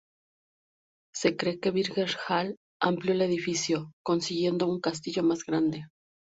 Se cree que Birger Jarl amplió el edificio, consiguiendo un castillo más grande.